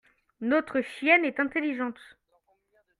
notre chienne est intelligente.